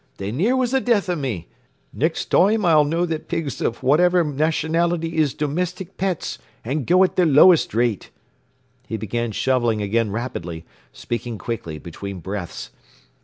They near was the death o' me. Nixt toime I'll know that pigs of whaiver nationality is domistic pets an' go at the lowest rate.” He began shoveling again rapidly, speaking quickly between breaths.